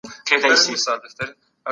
سياست د ټولني د رهبرۍ لپاره مهم هنر دی.